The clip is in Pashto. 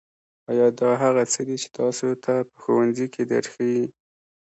ایا دا هغه څه دي چې تاسو ته په ښوونځي کې درښیي